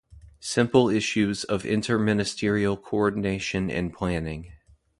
Simple issues of inter-ministerial coordination and planning.